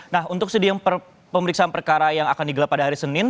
nah untuk sidang pemeriksaan perkara yang akan digelar pada hari senin